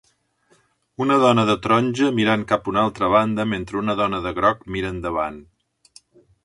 Una dona de taronja mirant cap a una altra banda mentre una dona de groc mira endavant